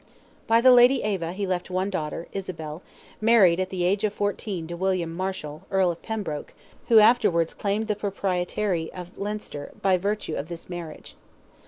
By the Lady Eva he left one daughter, Isabel, married at the age of fourteen to William Marshall, Earl of Pembroke, who afterwards claimed the proprietary of Leinster, by virtue of this marriage.